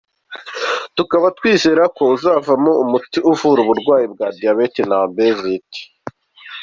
Tukaba twizera ko izavamo umuti uvura uburwayi bwa diabète na obésité.